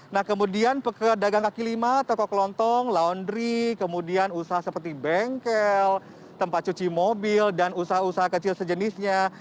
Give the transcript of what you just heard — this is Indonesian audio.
nah kemudian ke dagang kaki lima toko kelontong laundry kemudian usaha seperti bengkel tempat cuci mobil dan usaha usaha kecil sejenisnya